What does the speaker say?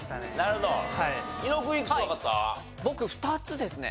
僕２つですね。